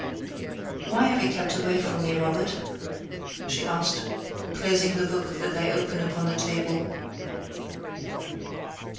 "Why have you kept away from me, Robert?" she asked, closing the book that lay open upon the table.